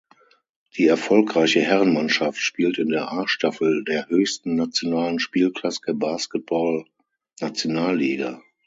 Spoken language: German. Die erfolgreiche Herrenmannschaft spielt in der A-Staffel der höchsten nationalen Spielklasse Basketball-Nationalliga.